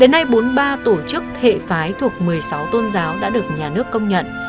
đến nay bốn mươi ba tổ chức hệ phái thuộc một mươi sáu tôn giáo đã được nhà nước công nhận